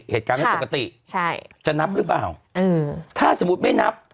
เหตุการณ์ไม่ปกติใช่จะนับหรือเปล่าถ้าสมมุติไม่นับ